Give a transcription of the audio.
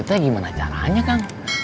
hidupnya gimana caranya kang